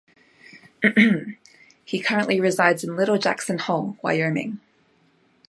He currently resides in Little Jackson Hole, Wyoming.